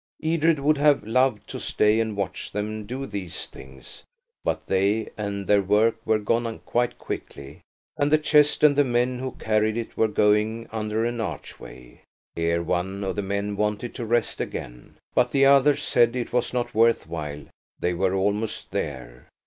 Edred would have loved to stay and watch them do these things, but they and their work were gone quite quickly, and the chest and the men who carried it were going under an archway. Here one of the men wanted to rest again, but the others said it was not worth while–they were almost there.